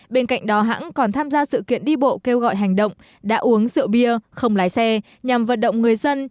bên cạnh đó hãng còn tham gia sự kiện đi bộ kêu gọi hành động đã uống rượu bia không lái xe nhằm vận động người dân